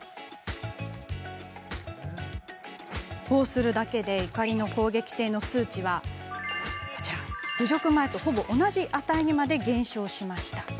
こうするだけで怒りの攻撃性の数値は侮辱前とほぼ同じ値にまで減少しました。